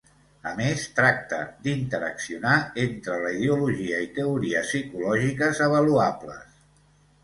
A més tracta d'interaccionar entre la ideologia i teories psicològiques avaluables.